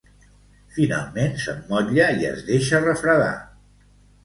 Finalment, s'emmotlla i es deixa refredar.